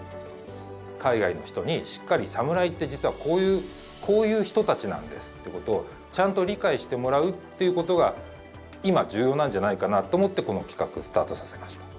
海外の人にしっかり「サムライって実はこういう人たちなんです」ってことをちゃんと理解してもらうっていうことが今重要なんじゃないかなと思ってこの企画スタートさせました。